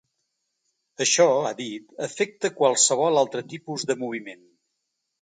Això, ha dit, afecta qualsevol altre tipus de moviment.